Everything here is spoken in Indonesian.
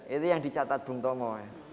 itu yang dicatat bung tomo